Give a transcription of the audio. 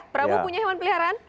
prabu punya hewan peliharaan